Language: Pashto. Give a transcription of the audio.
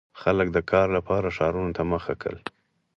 • خلک د کار لپاره ښارونو ته مخه کړه.